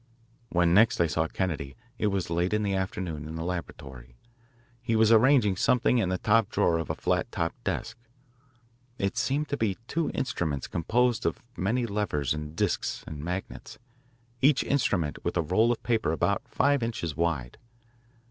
When next I saw Kennedy it was late in the afternoon, in the laboratory. He was arranging something in the top drawer of a flat top desk. It seemed to be two instruments composed of many levers and discs and magnets, each instrument with a roll of paper about five inches wide.